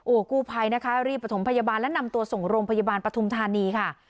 กู้ภัยนะคะรีบประถมพยาบาลและนำตัวส่งโรงพยาบาลปฐุมธานีค่ะ